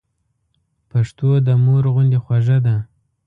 پښتو د مور غوندي خوږه ده.